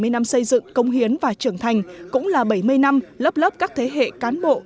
bảy mươi năm xây dựng công hiến và trưởng thành cũng là bảy mươi năm lớp lớp các thế hệ cán bộ